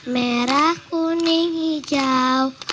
merah kuning hijau